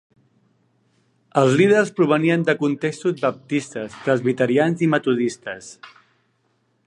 Els líders provenien de contextos baptistes, presbiterians i metodistes.